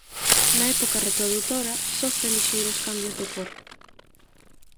Na época reprodutora sofre lixeiros cambios de cor.